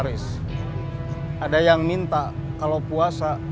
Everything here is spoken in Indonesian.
tidak ada yang bisa dibawa ke sana